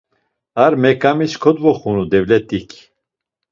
A meǩamis kodoxunu dovlet̆ik.